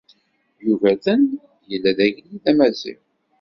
Yugurten yella d agellid amaziɣ.